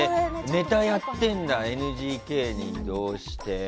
ネタやってるんだＮＧＫに移動して。